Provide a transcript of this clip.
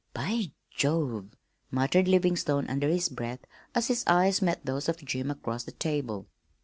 "By Jove!" muttered Livingstone under his breath, as his eyes met those of Jim across the table.